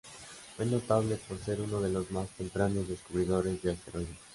Fue notable por ser uno de los más tempranos descubridores de asteroides.